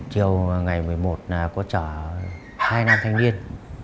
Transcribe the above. chiều ngày một mươi một là có chở hai nam thanh niên